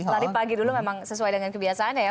lari pagi dulu memang sesuai dengan kebiasaannya ya